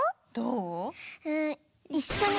うん。